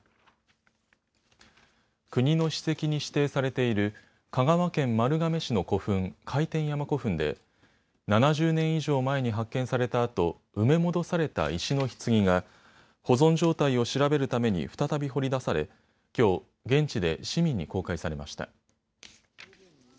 国の史跡に指定されている香川県丸亀市の古墳、快天山古墳で７０年以上前に発見されたあと埋め戻された石のひつぎが保存状態を調べるために再び掘り出されきょう現地で市民に公開されました。